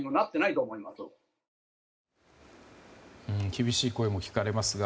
厳しい声も聞かれますが。